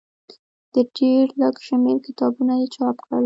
د ډېر لږ شمېر کتابونه یې چاپ کړل.